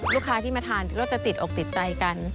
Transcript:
ลูกค้าที่มาทานก็จะติดอกติดใจกัน